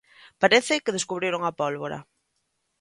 Parece que descubriron a pólvora.